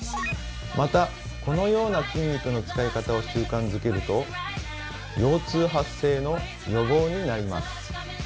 またこのような筋肉の使い方を習慣づけると腰痛発生の予防になります。